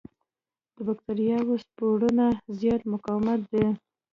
د بکټریاوو سپورونه زیات مقاوم دي.